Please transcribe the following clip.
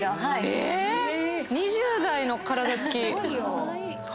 え⁉２０代の体つき。